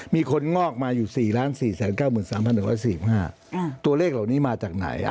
งอกมาอยู่๔๔๙๓๑๔๕ตัวเลขเหล่านี้มาจากไหน